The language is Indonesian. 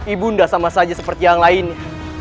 ibu nda sama saja seperti yang lainnya